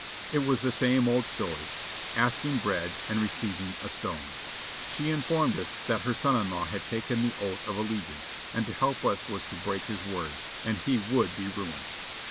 It was the same old story: asking bread and receiving a stone. She informed us that her son in law had taken the oath of allegiance and to help us was to break his word, and he would be ruined.